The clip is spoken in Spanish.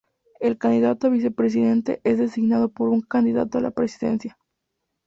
El candidato a vicepresidente es designado por un candidato a la presidencia.